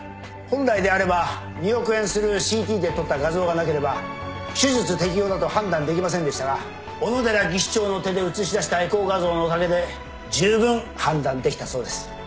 本来であれば２億円する ＣＴ で撮った画像がなければ手術適応だと判断できませんでしたが小野寺技師長の手で写し出したエコー画像のおかげでじゅうぶん判断できたそうです